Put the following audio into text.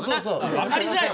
分かりづらいわ！